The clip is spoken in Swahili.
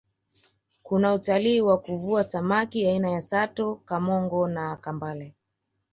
kuna utalii wa kuvua samaki aina ya sato kamongo na kambale